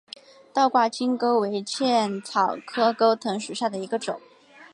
倒挂金钩为茜草科钩藤属下的一个种。